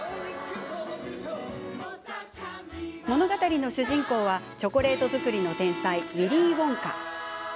物語の主人公はチョコレート作りの天才ウィリー・ウォンカ。